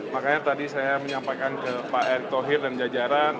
makanya tadi saya menyampaikan ke pak erick thohir dan jajaran